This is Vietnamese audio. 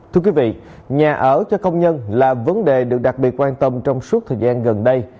thưa quý vị nhà ở cho công nhân là vấn đề được đặc biệt quan tâm trong suốt thời gian gần đây